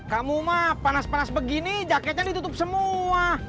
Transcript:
kamu mah panas panas begini jaketnya ditutup semua